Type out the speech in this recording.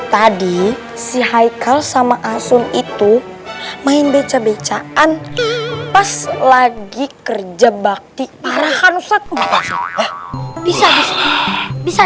hai si haikal sama asum itu main beca becaan pas lagi kerja bakti parahkan ustadz bisa bisa